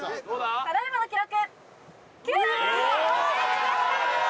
ただいまの記録